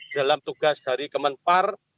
dalam tugas dari kemenpar